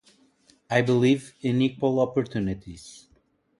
I believe in equal opportunities.